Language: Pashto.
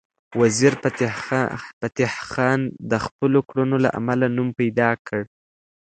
وزیرفتح خان د خپلو کړنو له امله نوم پیدا کړ.